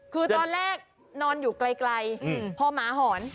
คือตอนแรกนอนอยู่ไกลพอหมาหอน